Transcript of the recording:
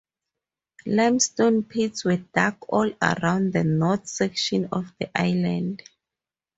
Limestone pits were dug all around the north section of the island.